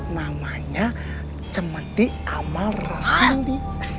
namanya cemeti amal rasundi